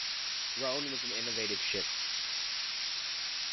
"Rhone" was an innovative ship.